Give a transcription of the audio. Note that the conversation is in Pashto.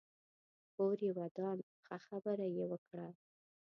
کور يې ودان ښه خبره يې وکړه